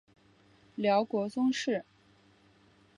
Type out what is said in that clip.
辽国宗室。